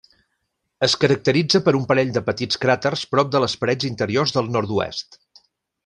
Es caracteritza per un parell de petits cràters prop de les parets interiors del nord-oest.